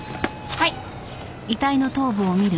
はい。